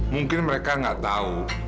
mungkin mereka gak tau